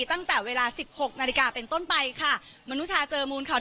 ตั้งแต่เวลาสิบหกนาฬิกาเป็นต้นไปค่ะมนุชาเจอมูลค่ะ